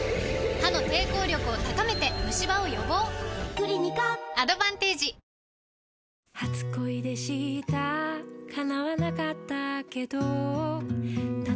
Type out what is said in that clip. クリニカアドバンテージ週に何回か